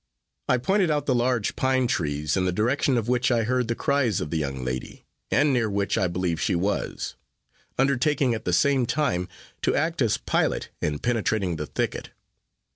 I pointed out the large pine trees, in the direction of which I heard the cries of the young lady, and near which I believed she was undertaking, at the same time, to act as pilot, in penetrating the thicket.